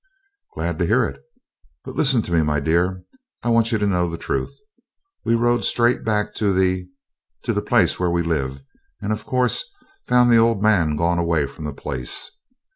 'Glad to hear it, but listen to me, my dear; I want you to know the truth. We rode straight back to the to where we lived and, of course, found the old man gone away from the place.